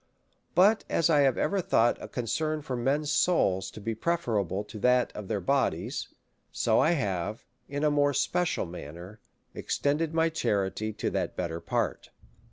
But as I have ever thought a con cern for men's souls to be preferable to that of their bodies; so I have, in a more special manner, extended my charity to that better part.